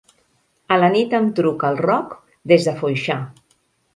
A la nit em truca el Roc des de Foixà.